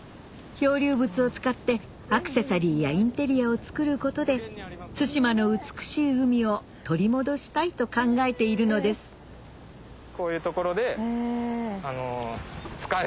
漂流物を使ってアクセサリーやインテリアを作ることで対馬の美しい海を取り戻したいと考えているのですうん